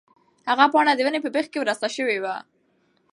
هغه پاڼه د ونې په بېخ کې ورسته شوې وه.